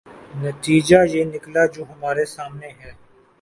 نتیجہ یہ نکلا جو ہمارے سامنے ہے۔